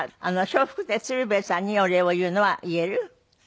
笑福亭鶴瓶さんにお礼を言うのは言える？